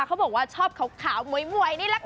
เขาบอกว่าชอบขาวมวยนี่แหละค่ะ